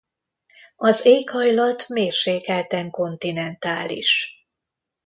Az éghajlat mérsékelten kontinentális.